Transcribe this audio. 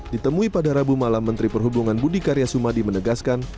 ditemui pada rabu malam menteri perhubungan budi karyasumadi menegaskan